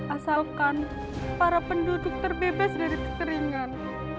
asalkan para penduduk terbebas dari kekeringan